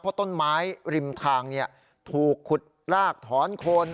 เพราะต้นไม้ริมทางถูกขุดรากถอนโคน